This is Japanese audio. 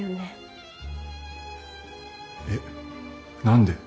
えっ何で。